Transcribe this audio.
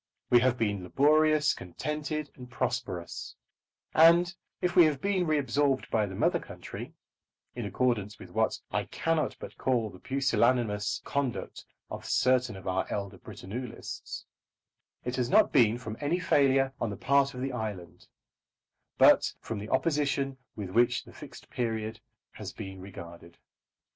We have been laborious, contented, and prosperous; and if we have been reabsorbed by the mother country, in accordance with what I cannot but call the pusillanimous conduct of certain of our elder Britannulists, it has not been from any failure on the part of the island, but from the opposition with which the Fixed Period has been regarded.